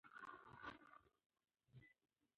بچيان تربیت سوي او مثبت اخلاق غوره کوي.